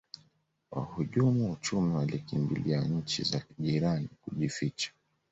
wahujumu uchumi walikimbilia nchi za jirani kujificha